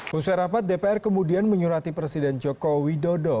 pusat rapat dpr kemudian menyurati presiden jokowi dodo